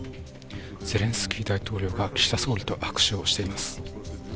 ゼレンスキー大統領が岸田総理と握手をしています。